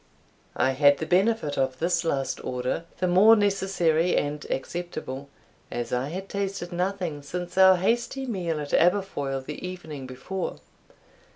I had the benefit of this last order, the more necessary and acceptable, as I had tasted nothing since our hasty meal at Aberfoil the evening before.